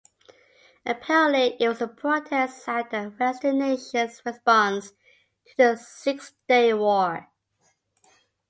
Apparently it was a protest at the Western nations' response to the Six-Day War.